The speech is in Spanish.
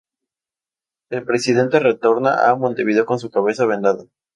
El Presidente retorna a Montevideo con su cabeza vendada.